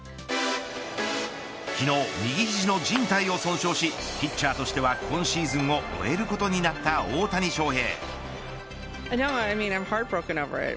昨日、右ひじの靭帯を損傷しピッチャーとしては今シーズンを終えることになった大谷翔平。